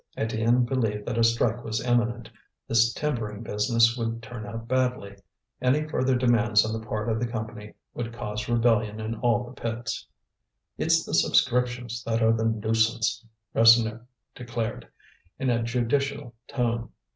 Étienne believed that a strike was imminent: this timbering business would turn out badly; any further demands on the part of the Company would cause rebellion in all the pits. "It's the subscriptions that are the nuisance," Rasseneur declared, in a judicial tone.